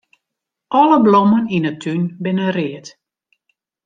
Alle blommen yn 'e tún binne read.